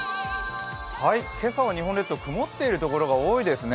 今朝は日本列島曇っているところが多いですね。